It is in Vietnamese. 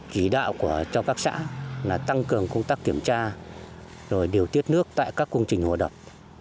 chỉ đạo cho các xã là tăng cường công tác kiểm tra rồi điều tiết nước tại các công trình hồ đập